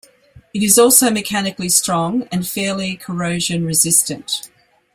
It is also mechanically strong and fairly corrosion resistant.